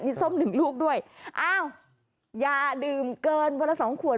ส้มหนึ่งลูกด้วยอ้าวอย่าดื่มเกินวันละสองขวด